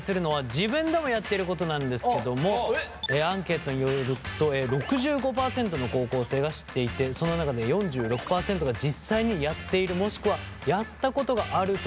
僕が紹介するのはアンケートによると６５％の高校生が知っていてその中で４６％が実際にやっているもしくはやったことがあるということでした。